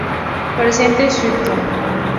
Presidente Stroessner.